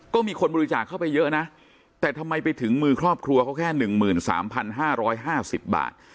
ก็มีคนบริจาคเข้าไปเยอะนะแต่ทำไมไปถึงมือครอบครัวเขาแค่หนึ่งหมื่นสามพันห้าร้อยห้าสิบบาท